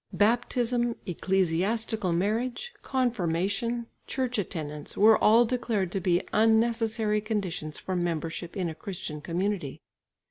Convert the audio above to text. Baptism, ecclesiastical marriage, confirmation, church attendance were all declared to be unnecessary conditions for membership in a Christian community.